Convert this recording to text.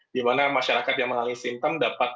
di mana masyarakat yang mengalami simptom dapat